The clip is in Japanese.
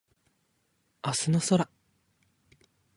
明日の空